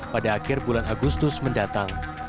pada akhir bulan agustus mendatang